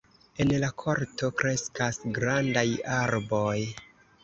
En la korto kreskas grandaj arboj.